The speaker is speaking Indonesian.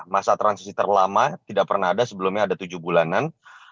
masa transisi terlama tidak pernah ada sebelumnya ada tujuh bulanan